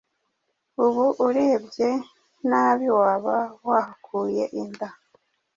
Ubu urebye nabi waba wahakuye inda,